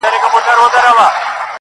• زه ملنګ عبدالرحمن وم -